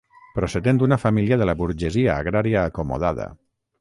Procedent d'una família de la burgesia agrària acomodada.